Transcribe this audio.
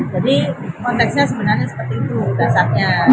jadi konteksnya sebenarnya seperti itu dasarnya